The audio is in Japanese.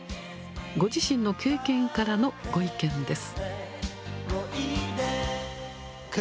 ご自身の経験からのご意見です。